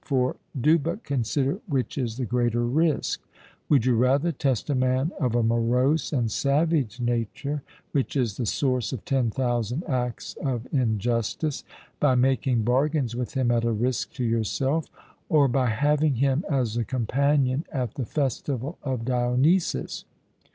For do but consider which is the greater risk: Would you rather test a man of a morose and savage nature, which is the source of ten thousand acts of injustice, by making bargains with him at a risk to yourself, or by having him as a companion at the festival of Dionysus?